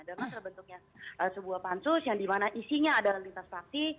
dan masalah terbentuknya sebuah pansus yang dimana isinya adalah lintas praktik